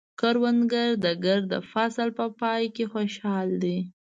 کروندګر د ګرده فصل په پای کې خوشحال دی